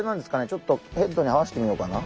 ちょっとヘッドにはわせてみようかな？